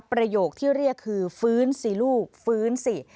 ประโยคที่เรียกคือฟื้นสิลูกฟื้นสิ